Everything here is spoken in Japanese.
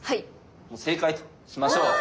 正解としましょう！